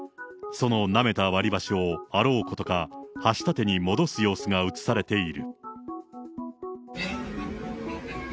そのなめた割り箸をあろうことか、箸立てに戻す様子が写されている。